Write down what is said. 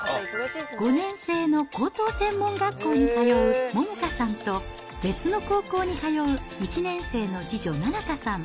５年制の高等専門学校に通う百花さんと、別の高校に通う１年生の次女、菜々花さん。